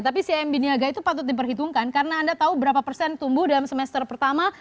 tapi cimb niaga itu patut diperhitungkan karena anda tahu berapa persen tumbuh dalam semester pertama